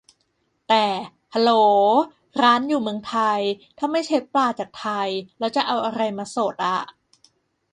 แต่ ฮัลโหล ร้านอยู่เมืองไทย ถ้าไม่ใช้ปลาจากไทย แล้วจะเอาอะไรมาสดอะ